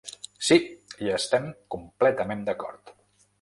Sí, hi estem completament d’acord.